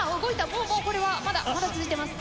もうもうこれはまだ続いています。